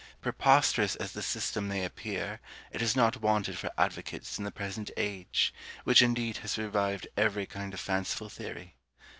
Preposterous as this system may appear, it has not wanted for advocates in the present age, which indeed has revived every kind of fanciful theory.